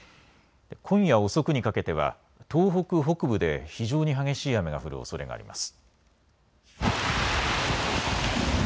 今夜遅くにかけては東北北部で非常に激しい雨が降るおそれがあります。